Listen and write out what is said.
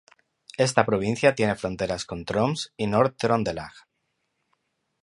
Esta provincia tiene fronteras con Troms y Nord-Trøndelag.